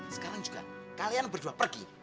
sekarang juga kalian berdua pergi